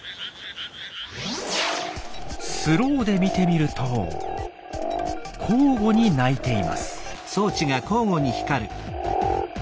スローで見てみると交互に鳴いています。